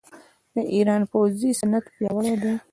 د ایران پوځي صنعت پیاوړی دی.